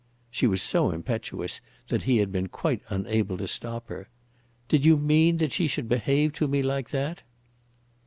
She was so impetuous that he had been quite unable to stop her. "Did you mean that she should behave to me like that?"